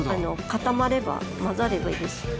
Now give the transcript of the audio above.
固まれば混ざればいいです。